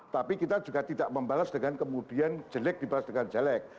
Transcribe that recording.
tapi kita juga tidak membalas dengan kemudian jelek dibalas dengan jelek